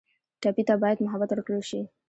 ټپي ته باید محبت ورکړل شي.